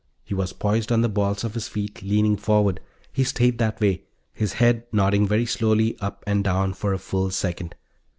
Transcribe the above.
He was poised on the balls of his feet, leaning forward; he stayed that way, his head nodding very slowly up and down, for a full second.